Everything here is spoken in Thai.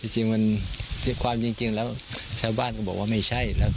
จริงมันเทียบความจริงแล้วชาวบ้านก็บอกว่าไม่ใช่